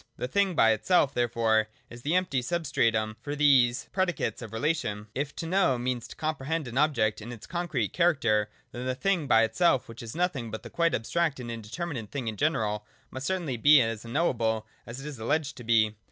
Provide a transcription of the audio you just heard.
The thing by itself therefore is the empty substratum for these predicates of relation. If to know means to comprehend an object in its concrete character, then the thing by itself, which is nothing but the quite abstract and indeterminate thing in general, must 232 THE DOCTRINE OF ESSENCE. [124, 125 certainly be as unknowable as it is alleged to be.